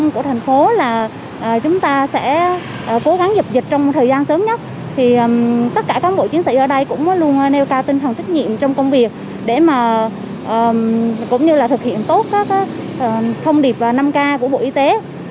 không điệp năm k của bộ y tế